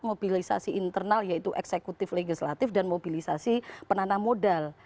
mobilisasi internal yaitu eksekutif legislatif dan mobilisasi penanam modal